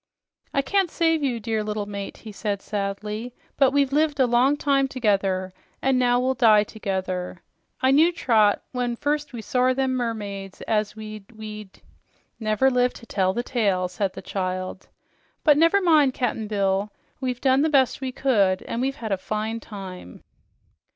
"I can't save you, dear little mate," he said sadly, "but we've lived a long time together, an' now we'll die together. I knew, Trot, when first we sawr them mermaids, as we'd we'd " "Never live to tell the tale," said the child. "But never mind, Cap'n Bill, we've done the best we could, and we've had a fine time."